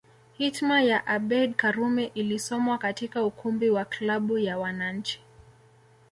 Hitma ya Abeid Karume ilisomwa katika ukumbi wa klabu ya wananchi